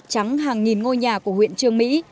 trắng hàng nghìn ngôi nhà của huyện trương mỹ